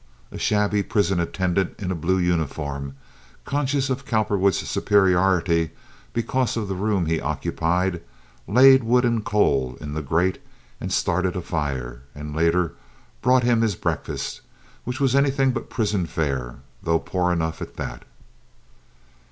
A shabby prison attendant in a blue uniform, conscious of Cowperwood's superiority because of the room he occupied, laid wood and coal in the grate and started a fire, and later brought him his breakfast, which was anything but prison fare, though poor enough at that.